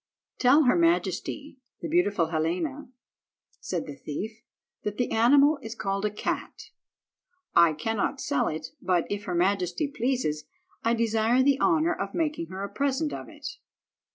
"Tell her majesty, the beautiful Helena," said the thief, "that the animal is called a cat. I cannot sell it, but, if her majesty pleases, I desire the honour of making her a present of it."